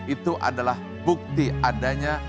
itu adalah bukti adanya